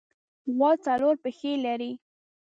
غوا څلور پښې لري.